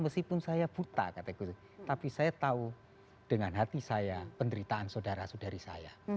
meskipun saya buta kata tapi saya tahu dengan hati saya penderitaan saudara saudari saya